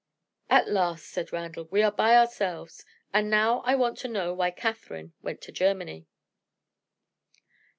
"At last," said Randal, "we are by ourselves and now I want to know why Catherine went to Germany."